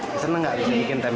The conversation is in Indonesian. misalnya abdullah hipura residents